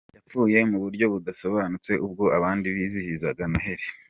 Yapfuye mu buryo budasobanutse ubwo abandi bizihizaga Noheli